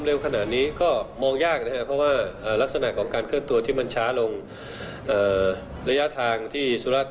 เร็วขนาดนี้ก็มองยากนะครับเพราะว่ารักษณะของการเคลื่อนตัวที่มันช้าลงระยะทางที่สุรัตน